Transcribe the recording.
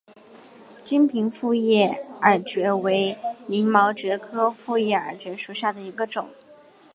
金平复叶耳蕨为鳞毛蕨科复叶耳蕨属下的一个种。